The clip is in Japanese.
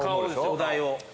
お題を。